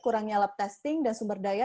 kurang nyala testing dan sumber daya